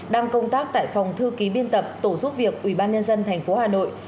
đang công tác tại phòng thư ký biên tập tổ giúp việc ubnd tp hà nội